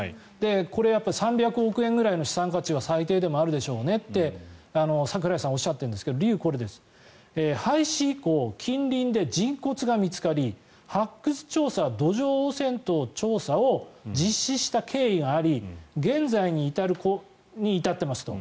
これ、３００億円の資産価値が最低でもあるでしょうねと櫻井さんはおっしゃっているんですが理由は廃止以降、近隣で人骨が見つかり発掘調査、土壌汚染調査等を実施した経緯あり現在に至ってますと。